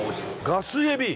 ガスエビ？